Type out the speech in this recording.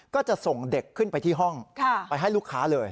ก็จะส่งเด็กขึ้นไปที่ห้องไปให้ลูกค้าเลย